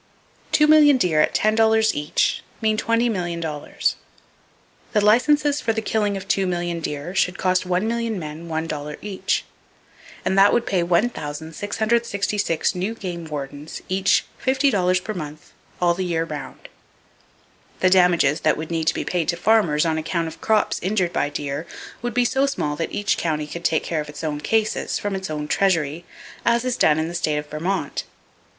Two million deer at $10 each mean $20,000,000. The licenses for the killing of two million deer should cost one million men one dollar each; and that would pay 1,666 new game wardens each fifty dollars per month, all the year round. The damages that would need to be paid to farmers, on account of crops injured by deer, would be so small that each county could take care of its own cases, from its own treasury, as is done in the State of Vermont.